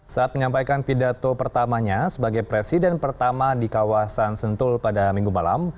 saat menyampaikan pidato pertamanya sebagai presiden pertama di kawasan sentul pada minggu malam